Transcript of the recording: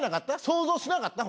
想像しなかった？